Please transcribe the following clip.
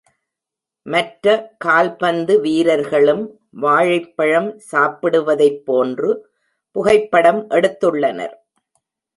மற்ற கால்பந்து வீரர்களும் வாழைப்பழம் சாப்பிடுவதைப் போன்று புகைப்படம் எடுத்துள்ளனர்.